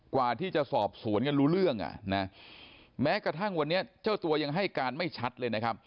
กว่าที่จะสอบสวนกันรู้เรื่องอ่ะนะแม้กระทั่งวันนี้เจ้าตัวยังให้การไม่ชัดเลยนะครับ